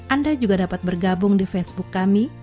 anda juga dapat bergabung di facebook kami